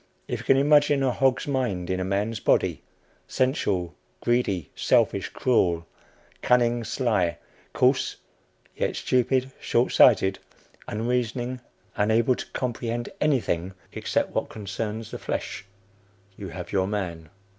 If you can imagine a hog's mind in a man's body sensual, greedy, selfish, cruel, cunning, sly, coarse, yet stupid, short sighted, unreasoning, unable to comprehend anything except what concerns the flesh, you have your man.